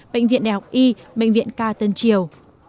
bệnh viện đại học y bệnh viện ca tân triều